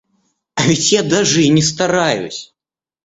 А ведь я даже и не стараюсь.